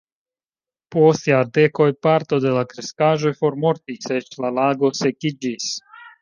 Post jardekoj parto de la kreskaĵoj formortis, eĉ la lago sekiĝis.